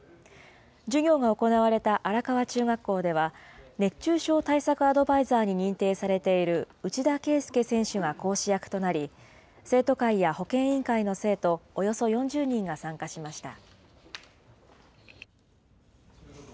授業が行われた荒川中学校では、熱中症対策アドバイザーに認定されている内田啓介選手が講師役となり、生徒会や保健委員会の生徒およそ４０人が参加しました。